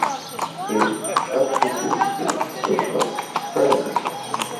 His substitute is Christophe Premat.